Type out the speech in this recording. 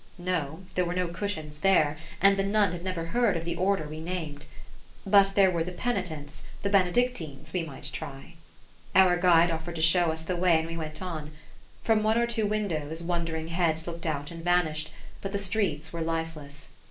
No, there were no cushions there; and the nun had never heard of the order we named. But there were the Penitents, the Benedictines we might try. Our guide offered to show us the way and we went on. From one or two windows, wondering heads looked out and vanished; but the streets were lifeless.